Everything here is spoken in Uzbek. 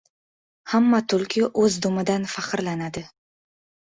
• Hamma tulki o‘z dumidan faxrlanadi.